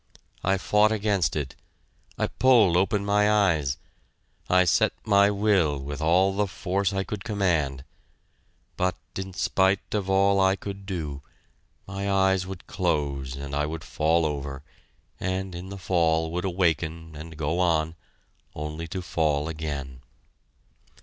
I fought against it I pulled open my eyes I set my will with all the force I could command, but in spite of all I could do, my eyes would close and I would fall over, and in the fall would awaken and go on, only to fall again.